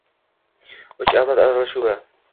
Uch avlod uchrashuvi